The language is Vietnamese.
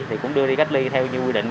thì cũng đưa đi cách ly theo quy định